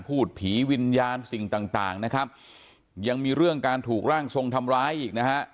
พูดผีวิญญาณสิ่งต่างต่างนะครับยังมีเรื่องการถูกร่างทรงทำร้ายอีกนะฮะ